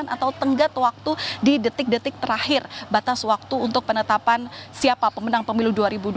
atau tenggat waktu di detik detik terakhir batas waktu untuk penetapan siapa pemenang pemilu dua ribu dua puluh